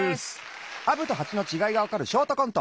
アブとハチのちがいがわかるショートコント。